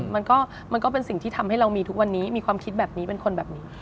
มันก็เป็นสิ่งที่ทำให้เรามีทุกวันนี้มีความคิดแบบนี้เป็นคนแบบนี้